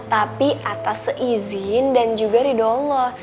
tapi atas izin dan juga rida allah